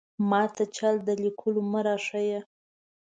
ماته چل د ليکلو مۀ راښايه!